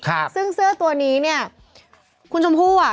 ครับซึ่งเสื้อตัวนี้เนี้ยคุณชมพู่อ่ะ